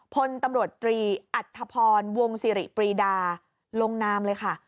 พลตำรวจตรีอัธพรวงสิริปรีดาลงนามเลยค่ะ